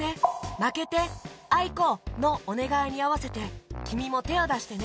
「まけて」「あいこ」のおねがいにあわせてきみもてをだしてね！